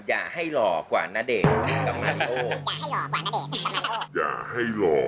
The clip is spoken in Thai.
อย่าให้หลอกกว่านาเดชกับมารี่โอ